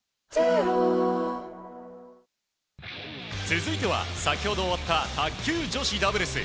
続いては先ほど終わった卓球女子ダブルス。